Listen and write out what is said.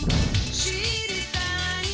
知りたい」